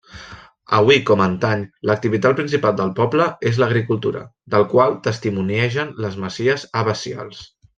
Avui com antany, l'activitat principal del poble és l'agricultura, del qual testimoniegen les masies abacials.